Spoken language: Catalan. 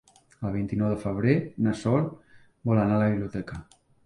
El vint-i-nou de febrer na Sol vol anar a la biblioteca.